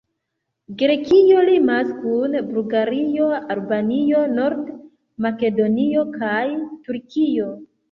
Grekio limas kun Bulgario, Albanio, Nord-Makedonio kaj Turkio.